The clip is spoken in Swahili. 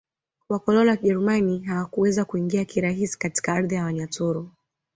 Wakoloni wa Kijerumani hawakuweza kuingia kirahisi katika ardhi ya Wanyaturu